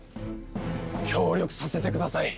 協力させてください！